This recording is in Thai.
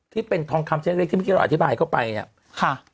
ที่เป็นทองคำเช็ดเล็กที่ไม่รออธิบายเข้าไปอ่ะค่ะ